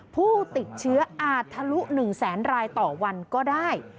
ผู้ติดเชื้ออาจทะลุ๑แสนรายต่อวันก็ได้